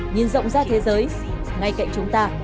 nhìn rộng ra thế giới ngay cạnh chúng ta